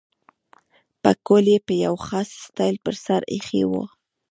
پکول یې په یو خاص سټایل پر سر اېښی وو.